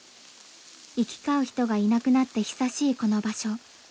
行き交う人がいなくなって久しいこの場所。